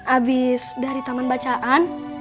abis dari taman bacaan